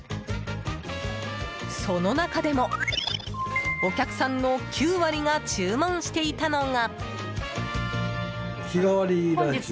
その中でも、お客さんの９割が注文していたのが。